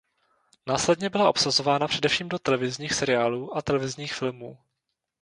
Následně byla obsazována především do televizních seriálů a televizních filmů.